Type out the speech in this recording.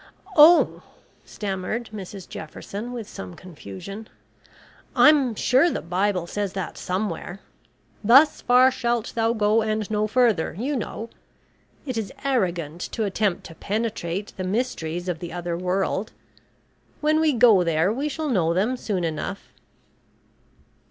"Oh!" stammered Mrs Jefferson, with some confusion, "I'm sure the Bible says that somewhere. `Thus far shalt thou go and no further,' you know. It is arrogant to attempt to penetrate the mysteries of the other world. When we go there we shall know them soon enough."